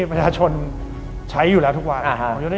ประชาชนใช้อยู่แล้วทุกวัน